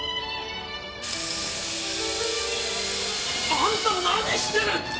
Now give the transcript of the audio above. あんた何してる！